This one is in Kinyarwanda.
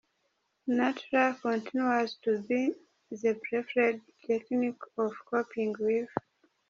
Natural continues to be the preferred technique of coping with .